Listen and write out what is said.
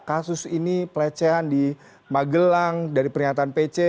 kasus ini pelecehan di magelang dari pernyataan pc